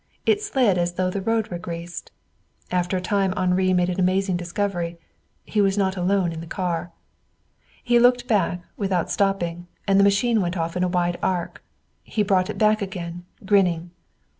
It slid as though the road were greased. And after a time Henri made an amazing discovery. He was not alone in the car. He looked back, without stopping, and the machine went off in a wide arc. He brought it back again, grinning.